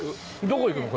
どこ行くの？